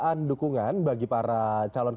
ada beberapa cara lain